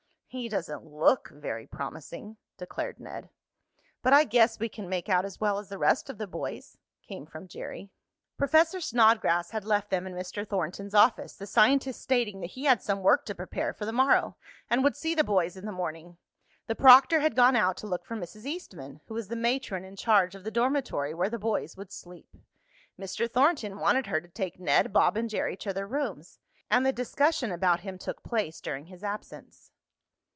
"He doesn't look very promising," declared Ned. "But I guess we can make out as well as the rest of the boys," came from Jerry. Professor Snodgrass had left them in Mr. Thornton's office, the scientist stating he had some work to prepare for the morrow, and would see the boys in the morning. The proctor had gone out to look for Mrs. Eastman, who was the matron in charge of the dormitory where the boys would sleep. Mr. Thornton wanted her to take Ned, Bob and Jerry to their rooms, and the discussion about him took place during his absence.